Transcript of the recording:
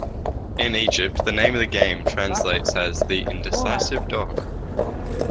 In Egypt the name of the game translates as "The Indecisive Dog".